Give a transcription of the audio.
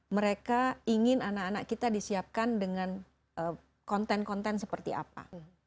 mereka ingin anak anak kita disiapkan dengan konten konten seperti apa